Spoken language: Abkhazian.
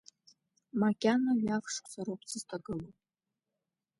Макьана жәаф шықәса роуп сызҭагылоу.